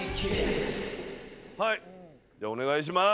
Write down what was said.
はいじゃあお願いします。